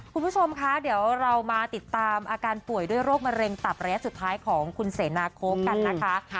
คุณผู้ชมคะเดี๋ยวเรามาติดตามอาการป่วยด้วยโรคมะเร็งตับระยะสุดท้ายของคุณเสนาโค้กกันนะคะ